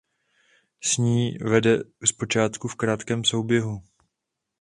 S ní vede z počátku v krátkém souběhu.